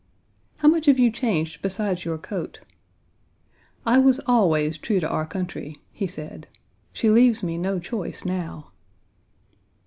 "How much have you changed besides your coat?" "I was always true to our country," he said. "She leaves me no choice now."